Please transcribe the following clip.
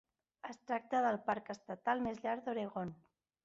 Es tracta del parc estatal més llarg d'Oregon.